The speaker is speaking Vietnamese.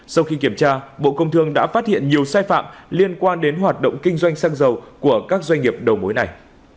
sau khi kiểm tra bộ công thương đã phát hiện nhiều sai phạm liên quan đến hoạt động kinh doanh xăng dầu của các doanh nghiệp đầu mối này